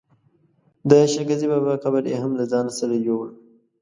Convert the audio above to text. د شل ګزي بابا قبر یې هم له ځانه سره یووړ.